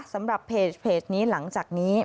สำหรับเพจนี้หลังจากนี้